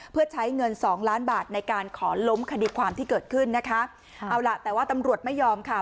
เพื่อใช้เงินสองล้านบาทในการขอล้มคดีความที่เกิดขึ้นนะคะเอาล่ะแต่ว่าตำรวจไม่ยอมค่ะ